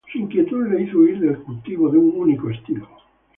Su inquietud le hizo huir del cultivo de un único estilo.